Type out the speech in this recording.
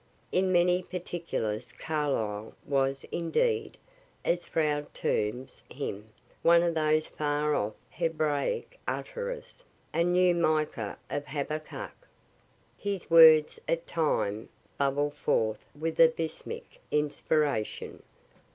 In many particulars Carlyle was indeed, as Froude terms him, one of those far off Hebraic utterers, a new Micah or Habbakuk. His words at times bubble forth with abysmic inspiration.